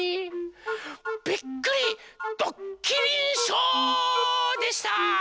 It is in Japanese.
びっくりどっきりショーでした！